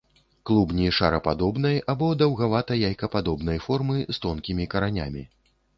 Клубні шарападобнай або даўгавата-яйкападобнай формы, з тонкімі каранямі.